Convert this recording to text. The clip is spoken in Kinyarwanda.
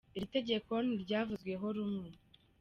Iri tegeko ntiryavuzweho rumwe